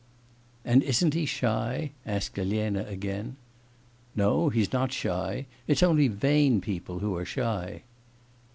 'And isn't he shy?' asked Elena again. 'No, he's not shy. It's only vain people who are shy.